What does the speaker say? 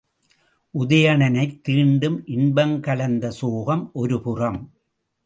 உதயணனைத் தீண்டும் இன்பங் கலந்த சோகம் ஒரு புறம்.